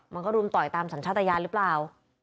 มันก็รุมต่อยตามสัญชาติยานหรือเปล่า